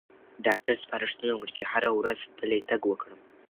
ډاکټر سپارښتنه وکړه چې هره ورځ پلی تګ وکړم.